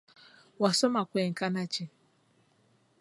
Wasoma kwenkana ki?